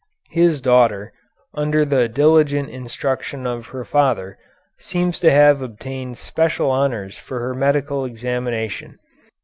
His daughter, under the diligent instruction of her father, seems to have obtained special honors for her medical examination.